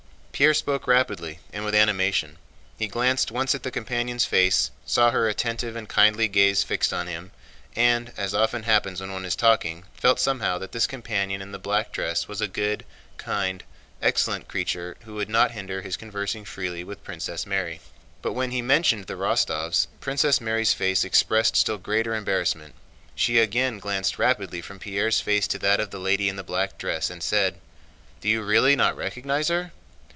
Pierre spoke rapidly and with animation. He glanced once at the companion's face, saw her attentive and kindly gaze fixed on him, and, as often happens when one is talking, felt somehow that this companion in the black dress was a good, kind, excellent creature who would not hinder his conversing freely with Princess Mary. But when he mentioned the Rostóvs, Princess Mary's face expressed still greater embarrassment. She again glanced rapidly from Pierre's face to that of the lady in the black dress and said: "Do you really not recognize her?"